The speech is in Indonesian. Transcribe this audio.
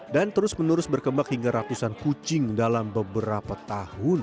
dan terus menerus berkembang hingga ratusan kucing dalam beberapa tahun